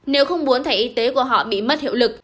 nếu không muốn thẻ y tế của họ bị mất hiệu lực